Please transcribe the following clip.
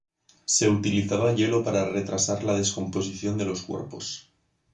Se utilizaba hielo para retrasar la descomposición de los cuerpos.